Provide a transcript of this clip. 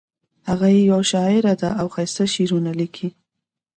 هغه یو شاعر ده او ښایسته شعرونه لیکي